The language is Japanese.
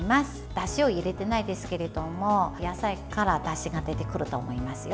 だしを入れてないですけれども野菜から、だしが出てくると思いますよ。